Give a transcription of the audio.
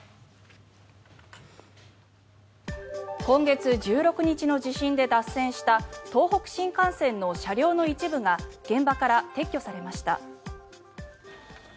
今月１６日の地震で脱線した東北新幹線の車両の一部が現場から撤去されました。